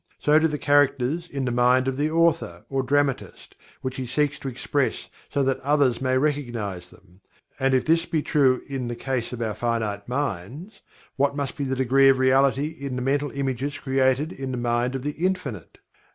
So do the characters in the mind of the author; or dramatist, which he seeks to express so that others may recognize them. And if this be true in the case of our finite minds, what must be the degree of Reality in the Mental Images created in the Mind of the Infinite?